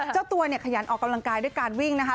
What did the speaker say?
เจ้าตัวเนี่ยขยันออกกำลังกายด้วยการวิ่งนะคะ